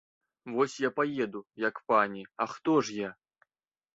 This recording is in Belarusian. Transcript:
Вось я паеду, як пані, а хто ж я?